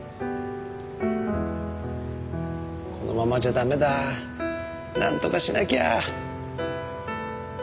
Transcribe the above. このままじゃ駄目だなんとかしなきゃ。